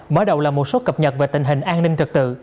mở đầu là một số cập nhật về tình hình an ninh trật tự